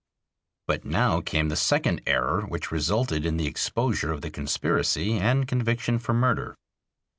But now came the second error, which resulted in the exposure of the conspiracy and conviction for murder.